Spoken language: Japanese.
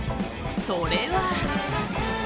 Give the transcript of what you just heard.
それは。